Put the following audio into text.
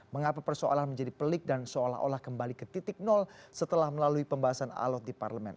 mengapa persoalan menjadi pelik dan seolah olah kembali ke titik nol setelah melalui pembahasan alot di parlemen